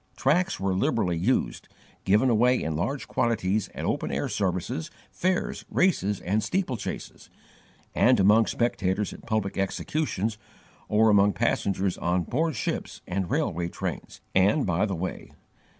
Tracts were liberally used, given away in large quantities at open air services, fairs, races and steeplechases, and among spectators at public executions, or among passengers on board ships and railway trains, and by the way.